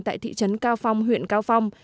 tại thị trấn cao phong huyện cao phong